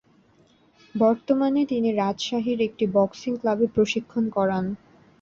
বর্তমানে তিনি রাজশাহীর একটি বক্সিং ক্লাবে প্রশিক্ষণ করান।